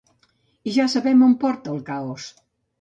I ja sabem on porta el caos.